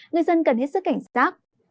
người dân cần hết sức cảnh sát